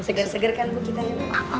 seger seger kan bukitannya ma